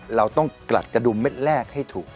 เราต้องกลัดกระดุมเม็ดแรกให้ถูก